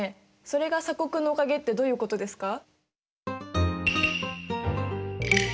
それが鎖国のおかげってどういうことですか？